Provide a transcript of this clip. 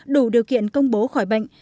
đủ điều kiện công bố khỏi bệnh